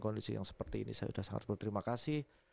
kondisi yang seperti ini saya sudah sangat berterima kasih